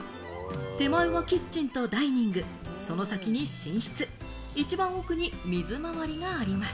手前はキッチンとダイニング、その先に寝室、一番奥に水回りがあります。